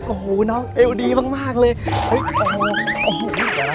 โอ้โหน้องเอวดีมากเลย